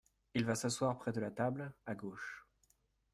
Il va s’asseoir près de la table, à gauche.